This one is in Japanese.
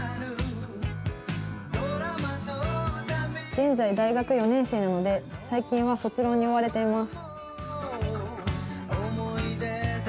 現在、大学４年生なので、最近は卒論に追われています。